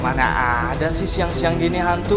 mana ada sih siang siang gini hantu